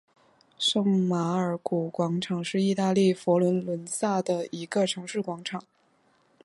圣马尔谷广场是意大利佛罗伦萨的一个城市广场。